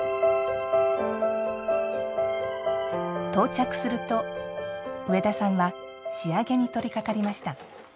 到着すると、上田さんは仕上げに取りかかりました。